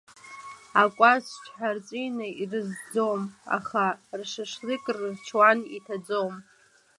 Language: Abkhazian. Акәац ҽҳәарҵәины ирызӡӡом, аха ршашлык рычуан иҭаӡом!